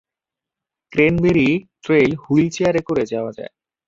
Cranberry Trail হুইলচেয়ারে করে যাওয়া যায়।